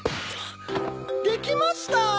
できました！